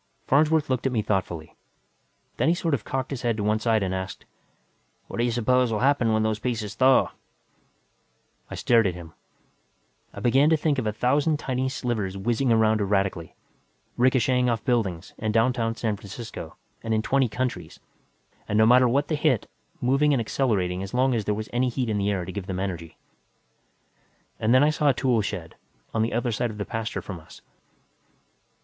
Farnsworth looked at me thoughtfully. Then he sort of cocked his head to one side and asked, "What do you suppose will happen when those pieces thaw?" I stared at him. I began to think of a thousand tiny slivers whizzing around erratically, richocheting off buildings, in downtown San Francisco and in twenty counties, and no matter what they hit, moving and accelerating as long as there was any heat in the air to give them energy. And then I saw a tool shed, on the other side of the pasture from us.